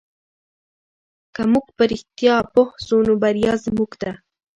که موږ په رښتیا پوه سو نو بریا زموږ ده.